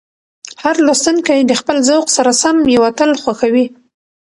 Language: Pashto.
هر لوستونکی د خپل ذوق سره سم یو اتل خوښوي.